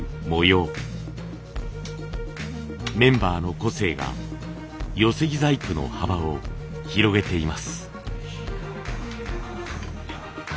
メンバーの個性が寄木細工の幅を広げています。